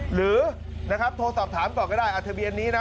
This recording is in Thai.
หรือโทรศัพท์ถามก่อนก็ได้อัตเวียนนี้นะ